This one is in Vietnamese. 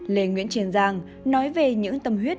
lê nguyễn triền giang nói về những tâm huyết